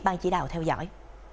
bang chỉ đạo theo dõi